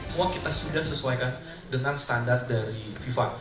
semua kita sudah sesuaikan dengan standar dari fifa